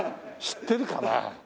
知ってるかな？